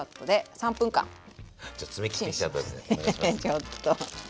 ちょっと。